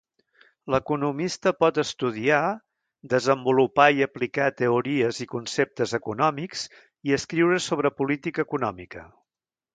L'economista pot estudiar, desenvolupar i aplicar teories i conceptes econòmics i escriure sobre política econòmica.